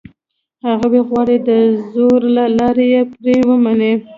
هغوی غواړي دزور له لاري یې پرې ومني.